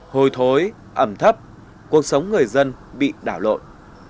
hồi thối ẩm thấp cuộc sống người dân bị đảo lộn